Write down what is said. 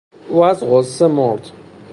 او از غصه مرد.